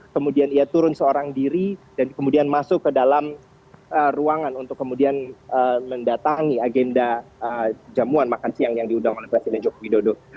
kemudian ia turun seorang diri dan kemudian masuk ke dalam ruangan untuk kemudian mendatangi agenda jamuan makan siang yang diundang oleh presiden joko widodo